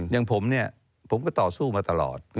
อย่างผมเนี่ยผมก็ต่อสู้มาตลอด